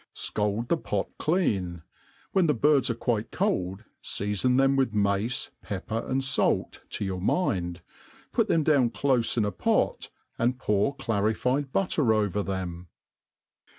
Scald the pot clean ; when the birds are quite cold, feafon them with mace, pepper, and fait fo your mind, put them down clofe in a pot, and pour clarir fied butter over them.